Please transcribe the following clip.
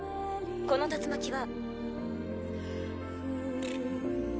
この竜巻は。